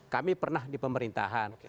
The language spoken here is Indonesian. kami pernah di pemerintahan